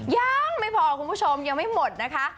ยังไม่พอคุณผู้ชมยังไม่หมดนะคะ